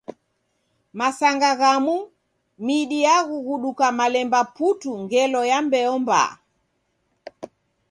Masanga ghamu, midi yaghughuduka malemba putu ngelo ya mbeo mbaha.